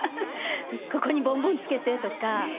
ここにボンボンつけてとか。